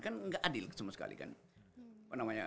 kan nggak adil sama sekali kan